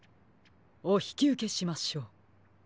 おひきうけしましょう。